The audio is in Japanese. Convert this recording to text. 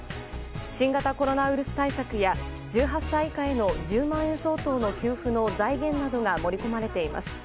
新型コロナウイルス対策や１８歳以下への１０万円相当の給付の財源などが盛り込まれています。